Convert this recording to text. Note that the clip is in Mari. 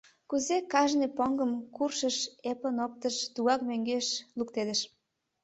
Кузе кажне поҥгым куршыш эплын оптыш, тугак мӧҥгеш луктедыш.